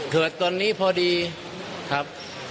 เผื่อตอนนี้พอดีครับ